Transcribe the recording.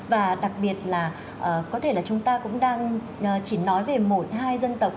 và đặc biệt là có thể là chúng ta cũng đang chỉ nói về một hai dân tộc